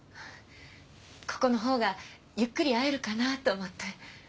ここのほうがゆっくり会えるかなと思って。